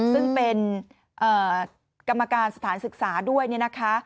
ซึ่งเป็นกรรมการสถานศึกษาด้วยเนี่ยนะคะ